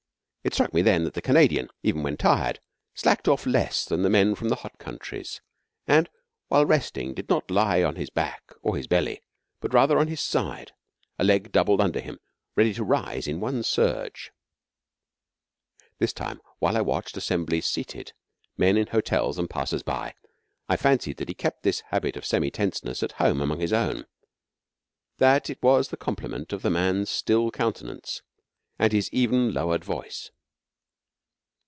It struck me then that the Canadian, even when tired, slacked off less than the men from the hot countries, and while resting did not lie on his back or his belly, but rather on his side, a leg doubled under him, ready to rise in one surge. This time while I watched assemblies seated, men in hotels and passers by, I fancied that he kept this habit of semi tenseness at home among his own; that it was the complement of the man's still countenance, and his even, lowered voice.